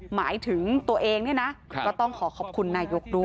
หมายถึงตัวเองนะ